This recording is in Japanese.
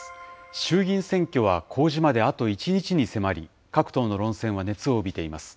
衆議院選挙は公示まであと１日に迫り、各党の論戦は熱を帯びています。